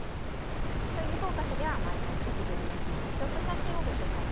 「将棋フォーカス」では毎回棋士女流棋士のオフショット写真をご紹介しています。